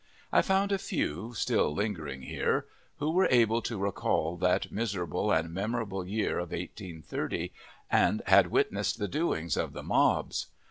I found a few, "still lingering here," who were able to recall that miserable and memorable year of 1830 and had witnessed the doings of the "mobs."